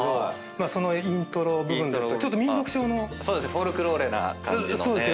フォルクローレな感じのね。